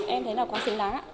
em thấy là quá xứng đáng